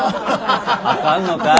あかんのかい。